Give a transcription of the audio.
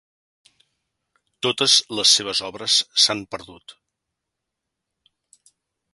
Totes les seves obres s'han perdut.